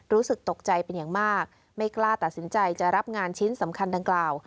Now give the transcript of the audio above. รู้สึกตกใจเป็นอย่างมากไม่กล้าตัดสินใจจะรับงานชิ้นสำคัญดังกล่าว